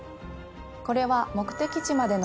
これは目的地までの。